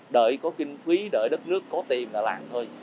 đợi có kinh phí đợi đất nước có tiền là làm thôi